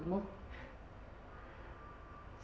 mama tidak ngerti maksudmu